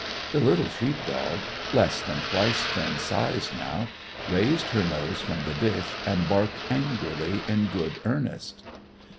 The little sheep dog (less than twice Finn's size now) raised her nose from the dish and barked angrily in good earnest.